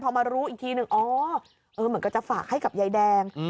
พอมารู้อีกทีหนึ่งอ๋อเหมือนกันจะฝากให้กับยายแดง